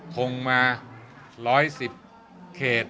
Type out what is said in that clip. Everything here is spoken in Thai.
ทงมา๑๑๐เขต